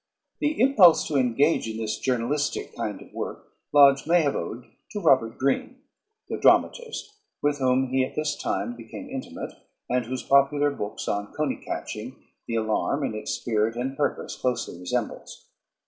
The impulse to engage in this journalistic kind of work Lodge may have owed to Robert Greene, the dramatist, with whom he at this time became intimate, and whose popular books on cony catching the "Alarum," in its spirit and purpose, closely resembles.